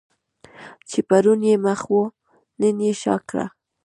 چې پرون یې مخ وو نن یې شا کړه.